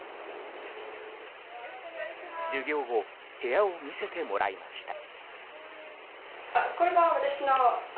授業後部屋を見せてもらいました。